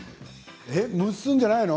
蒸すんじゃないの？